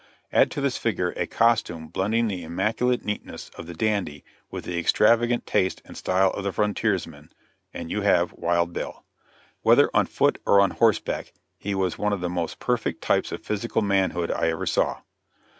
Add to this figure a costume blending the immaculate neatness of the dandy with the extravagant taste and style of the frontiersman, and you have Wild Bill.... Whether on foot or on horseback, he was one of the most perfect types of physical manhood I ever saw.